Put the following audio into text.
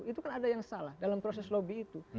itu kan ada yang salah dalam proses lobby itu